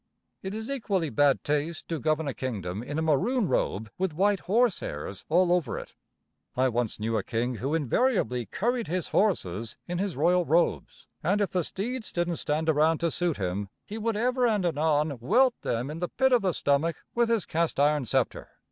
It is equally bad taste to govern a kingdom in a maroon robe with white horse hairs all over it. [Illustration: A HARD WORKING MONARCH.] I once knew a king who invariably curried his horses in his royal robes; and if the steeds didn't stand around to suit him, he would ever and anon welt them in the pit of the stomach with his cast iron sceptre.